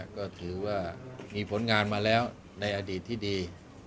ก็ถือว่ามีผลงานมาแล้วในอดีตที่ดี